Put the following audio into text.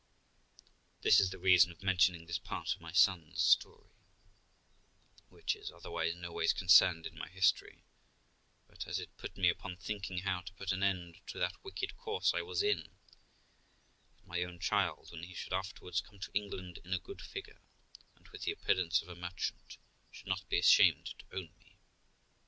This is the reason of mentioning this part of my son's story, which is otherwise no ways concerned in my history, but, as it put me upon thinking how to put an end to that wicked course I was in, that my own child, when he should afterwards come to England in a good figure, and with the appearance of a merchant, should not be ashamed to own me.